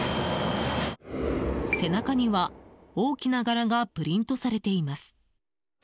背中には大きな柄がプリントされています。